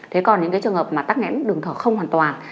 thế còn những trường hợp mà tắt nhẽn đường thở không hoàn toàn